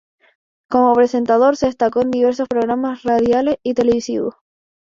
Como presentador se destacó en diversos programas radiales y televisivos.